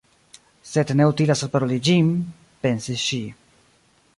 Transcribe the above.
"Sed ne utilas alparoli ĝin," pensis ŝi.